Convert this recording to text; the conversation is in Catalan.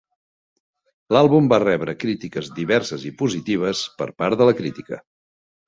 L'àlbum va rebre crítiques diverses i positives per part de la crítica.